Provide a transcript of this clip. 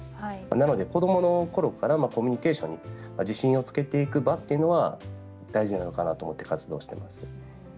なので子どものころからコミュニケーション自信をつけていく場というのは大事なのかなと思って活動しています。